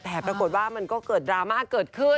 แต่ปรากฏว่ามันก็เกิดดราม่าเกิดขึ้น